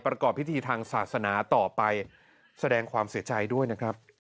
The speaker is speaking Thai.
ประกอบพิธีทางศาสนาต่อไปแสดงความเสียใจด้วยนะครับ